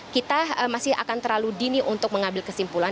kita masih akan terlalu dini untuk mengambil kesimpulan